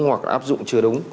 hoặc là áp dụng chưa đúng